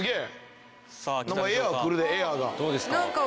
どうですか？